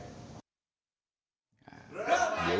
เริ่มใหม่ไทแหลนด์กับไทรัต